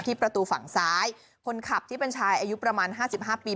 ประตูฝั่งซ้ายคนขับที่เป็นชายอายุประมาณห้าสิบห้าปี